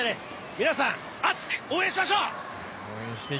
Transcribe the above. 皆さん、熱く応援しましょう！